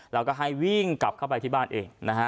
แล้วก็ให้วิ่งกลับเข้าไปที่บ้านเองนะฮะ